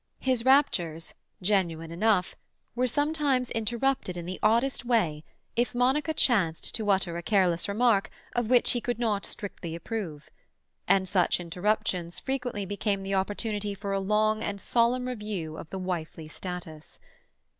His raptures, genuine enough, were sometimes interrupted in the oddest way if Monica chanced to utter a careless remark of which he could not strictly approve, and such interruptions frequently became the opportunity for a long and solemn review of the wifely status.